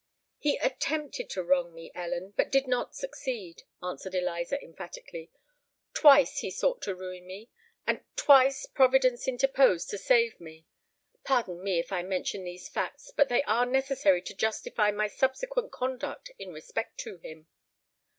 "He attempted to wrong me, Ellen—but did not succeed," answered Eliza, emphatically: "twice he sought to ruin me—and twice Providence interposed to save me. Pardon me, if I mention these facts; but they are necessary to justify my subsequent conduct in respect to him."